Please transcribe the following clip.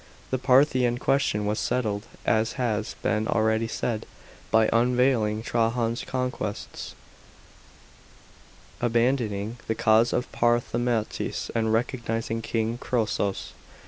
The Parthian question was settled, as has been already said, by sunvndeiing Trajan's conquests, abandoning the cause of Parthamaspates, and recognising king Chosroes.